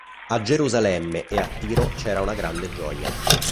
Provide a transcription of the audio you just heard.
A Gerusalemme e a Tiro c'era una grande gioia.